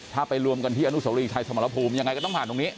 ถ้าไปรวมกันที่อนุสวรีชัยสมรภูมิยังไงก็ต้องผ่านตรงนี้